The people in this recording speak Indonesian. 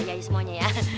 ya semuanya ya